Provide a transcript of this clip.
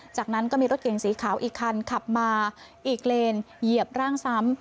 จากนั้นก็มีรถเก่งสีขาวอีกคันขับมาอีกเลนเหยียบร่างซ้ำ